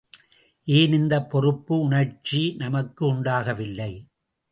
ஏன் இந்தப் பொறுப்பு உணர்ச்சி நமக்கு உண்டாகவில்லை.